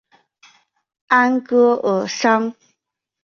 安戈尔桑。